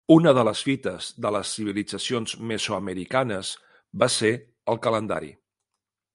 Una de les fites de les civilitzacions mesoamericanes va ser el calendari.